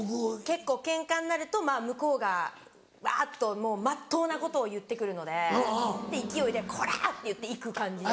結構ケンカになると向こうがワっとまっとうなことを言ってくるので勢いでこら！って言っていく感じ。